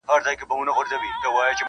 نه به دي د سره سالو پلو ته غزل ولیکي -